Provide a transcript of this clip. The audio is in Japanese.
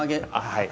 はい。